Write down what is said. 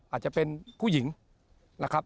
อาจจะเป็นผู้หญิงนะครับ